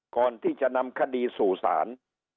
ก่อนที่จะนำคดีสู่ศาล